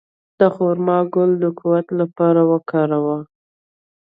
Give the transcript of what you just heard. د خرما ګل د قوت لپاره وکاروئ